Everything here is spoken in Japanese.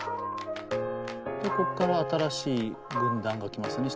でこっから新しい軍団が来ますね